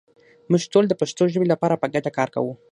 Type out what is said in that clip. موږ ټول د پښتو ژبې لپاره په ګډه کار کوو.